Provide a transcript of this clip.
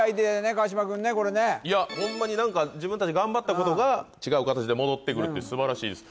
これホンマに何か自分たち頑張ったことが違う形で戻ってくるって素晴らしいです